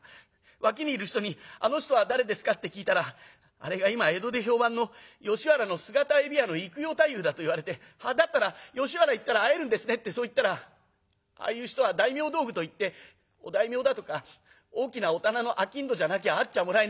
脇にいる人に『あの人は誰ですか？』って聞いたら『あれが今江戸で評判の吉原の姿海老屋の幾代太夫』と言われて『だったら吉原行ったら会えるんですね』ってそう言ったら『ああいう人は大名道具といって御大名だとか大きな御店の商人じゃなきゃ会っちゃもらえねえ。